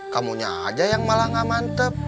kamunya aja yang malah gak mantep